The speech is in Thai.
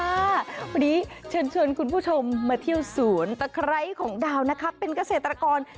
วันนี้เชิญคุณผู้ชมมาเที่ยวสวนตะไคร้ของดาวนะคะเป็นเกษตรกร